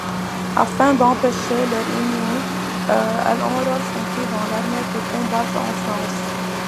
Afin d'empêcher leur union, elle enrôle son fils dans l'armée pour combattre en France.